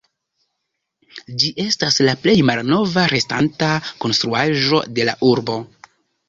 Ĝi estas la plej malnova restanta konstruaĵo de la urbo.